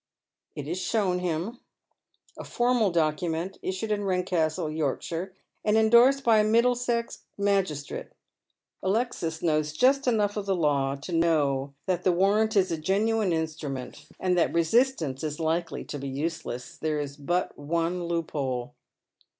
It is shown him ; a formal document, issued in Eedcastle, Yorkshire, and endorsed by a Middlesex magistrate. Alexia knows just enough of the law to know that the warrant is a genuine instrument, and that resistance is likely to be useless. There is but one loophole.